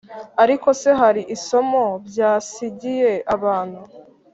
ariko se hari isomo byasigiye abantu?